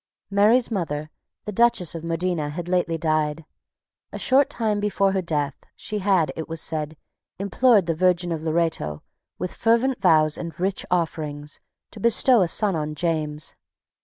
Mary's mother, the Duchess of Modena, had lately died. A short time before her death, she had, it was said, implored the Virgin of Loretto, with fervent vows and rich offerings, to bestow a son on James.